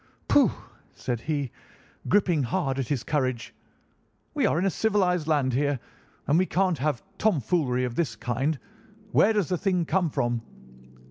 "'Pooh!' said he, gripping hard at his courage. 'We are in a civilised land here, and we can't have tomfoolery of this kind. Where does the thing come from?